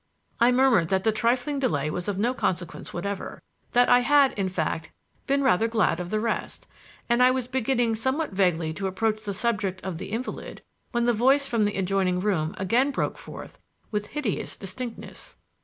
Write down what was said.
I murmured that the trifling delay was of no consequence whatever; that I had, in fact, been rather glad of the rest; and I was beginning somewhat vaguely to approach the subject of the invalid when the voice from the adjoining room again broke forth with hideous distinctness.